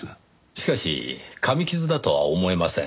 しかし噛み傷だとは思えません。